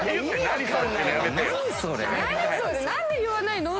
何それ⁉何で言わないの？